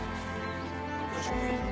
よいしょ。